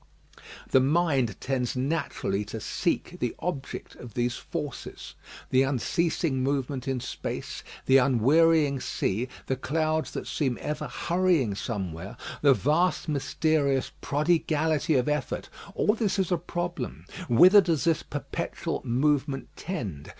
The mind tends naturally to seek the object of these forces. The unceasing movement in space, the unwearying sea, the clouds that seem ever hurrying somewhere, the vast mysterious prodigality of effort, all this is a problem. Whither does this perpetual movement tend?